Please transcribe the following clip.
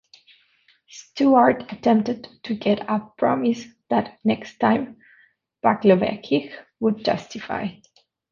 Stewart attempted to get a promise that next time, Blagojevich would testify.